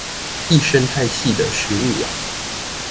一生態系的食物網